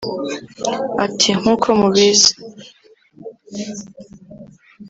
Ati “Nk’uko mubizi